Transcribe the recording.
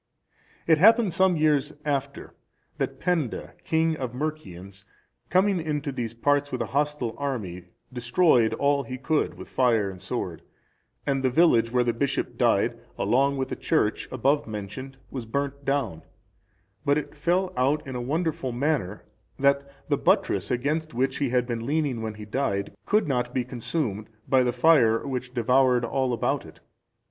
It happened some years after, that Penda, king of the Mercians, coming into these parts with a hostile army, destroyed all he could with fire and sword, and the village where the bishop died, along with the church above mentioned, was burnt down; but it fell out in a wonderful manner that the buttress against which he had been leaning when he died, could not be consumed by the fire which devoured all about it.